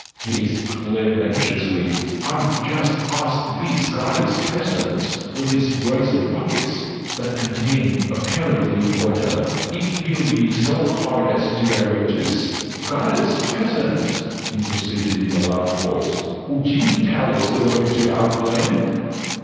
he exclaimed anxiously. "I'll just ask this guileless peasant, with his brace of buckets that contain (apparently) water, if he'll be so kind as to direct us. Guileless peasant!" he proceeded in a louder voice. "Would you tell us the way to Outland?"